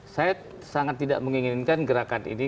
saya sangat tidak menginginkan gerakan ini